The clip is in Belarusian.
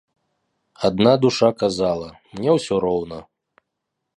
Адна душа казала: «Мне ўсё роўна…